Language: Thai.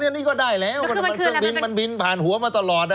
นี่ก็ได้แล้วมันบินผ่านหัวมาตลอด